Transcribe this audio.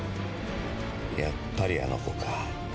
やっぱりあの子か。